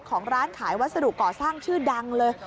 ของร้านขายวัสดุก่อสร้างชื่อดังเลย